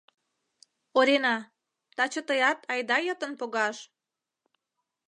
— Орина, таче тыят айда йытын погаш!